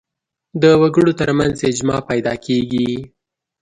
د وګړو تر منځ اجماع پیدا کېږي